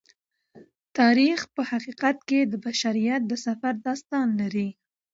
تاریخ په حقیقت کې د بشریت د سفر داستان دی.